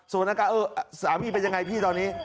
สวัสดีค่ะเออสามีเป็นอย่างไรพี่ตอนนี้